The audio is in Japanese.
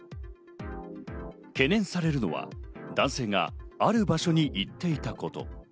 懸念されるのは男性がある場所に行っていたこと。